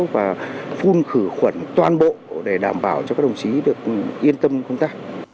và phun khử khuẩn toàn bộ để đảm bảo cho các đồng chí được yên tâm công tác